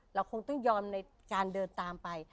เราคงต้องยอมในการเดินตามไป